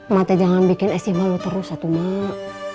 mata jangan bikin es imah lo terus ya tuh mak